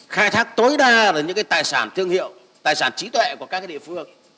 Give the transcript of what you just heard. khai thác tối đa những tài sản thương hiệu tài sản trí tuệ của các địa phương